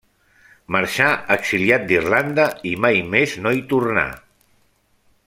Marxà exiliat d'Irlanda i mai més no hi tornà.